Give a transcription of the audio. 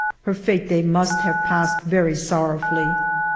Her fete day must have passed very sorrowfully.